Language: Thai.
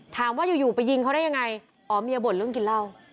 ถามว่าอยู่ไปยิงเขาได้ยังไงอ๋อเมียบ่นเรื่องกินเหล้า